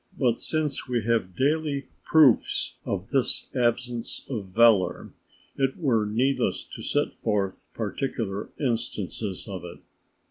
But since we have daily proofs of this absence of valour, it were needless to set forth particular instances of it.